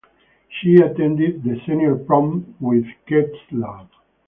She attended the senior prom with Questlove.